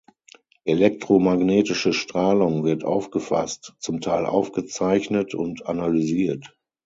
Elektromagnetische Strahlung wird aufgefasst, zum Teil aufgezeichnet und analysiert.